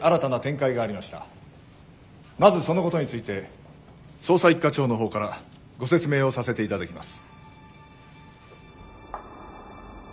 まずそのことについて捜査一課長のほうからご説明をさせて頂きます。